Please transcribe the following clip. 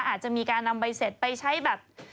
อาจจะมีการนำใบเสร็จไปใช้แบบ